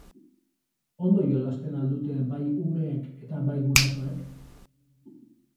Ondo jolasten al dute bai umeek eta bai gurasoek?